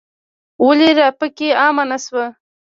ولې راپکې عامه نه شوه.